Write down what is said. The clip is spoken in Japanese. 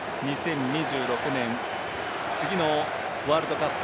２０２６年次のワールドカップ